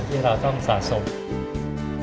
ทุกสิ่งทุกอย่างมันก็เกิดจากทางที่เราต้องสะสม